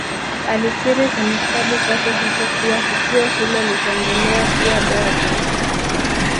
Alikiri kwenye kitabu chake hicho kuwa tukio hilo litaendelea kuwa doa jeusi